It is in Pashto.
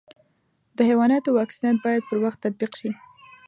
د حیواناتو واکسینات باید پر وخت تطبیق شي.